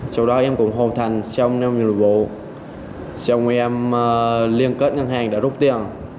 sau đó em cũng hồn thành xong nêm nhiệm vụ xong em liên kết ngân hàng đã rút tiền